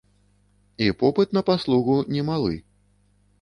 І попыт на паслугу немалы.